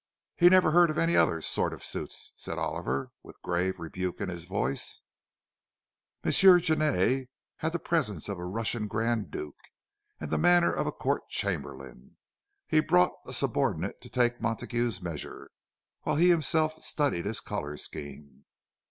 "He never heard of any other sort of suits," said Oliver, with grave rebuke in his voice. M. Genet had the presence of a Russian grand duke, and the manner of a court chamberlain. He brought a subordinate to take Montague's measure, while he himself studied his colour scheme.